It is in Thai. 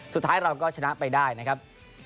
สุดท้ายเราก็ชนะไปได้นะครับ